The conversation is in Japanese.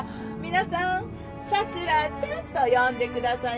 皆さん桜ちゃんと呼んでくださいませ。